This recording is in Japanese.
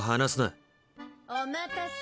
お待たせ。